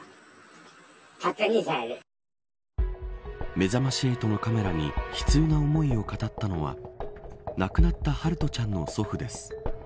めざまし８のカメラに悲痛な思いを語ったのは亡くなった陽翔ちゃんの祖父です。